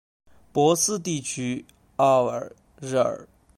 博斯地区奥尔热尔。